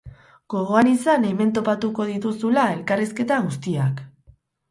Gogoan izan, hemen topatuko dituzula elkarrizketa guztiak!